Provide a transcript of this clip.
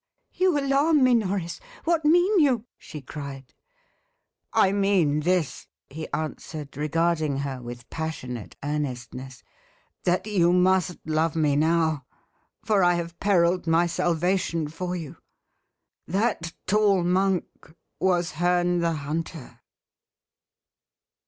"You alarm me, Norris; what mean you?" she cried. "I mean this," he answered, regarding her with passionate earnestness: "that you must love me now, for I have perilled my salvation for you. That tall monk was Herne the Hunter."